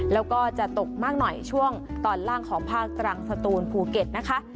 แล้วก็จะตกมากหน่อยช่วงตอนล่างของภาคตรังสตูนภูเก็ตนะคะ